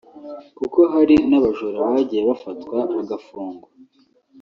kuko hari n’abajura bagiye bafatwa bagafungwa